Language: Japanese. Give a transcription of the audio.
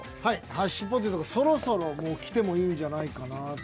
ハッシュポテトがそろそろもうきてもいんじゃないかなと。